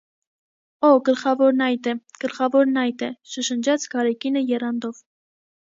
- Օ՛, գլխավորն ա՛յդ է, գլխավորն ա՛յդ է,- շշնջաց Գարեգինը եռանդով: